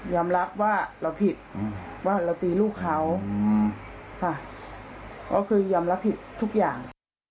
รับว่าเราผิดว่าเราตีลูกเขาค่ะก็คือยอมรับผิดทุกอย่าง